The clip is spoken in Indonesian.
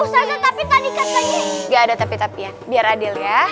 usahanya tapi tadi katanya nggak ada tapi tapi ya biar adil ya